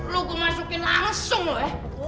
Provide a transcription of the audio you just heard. lu gue masukin langsung lu ya